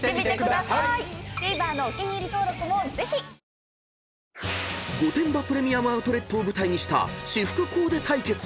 「ＷＩＤＥＪＥＴ」［御殿場プレミアム・アウトレットを舞台にした私服コーデ対決］